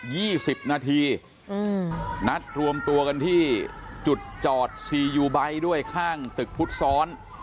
สิบนาทีอืมนัดรวมตัวกันที่จุดจอดซียูไบท์ด้วยข้างตึกพุทธซ้อน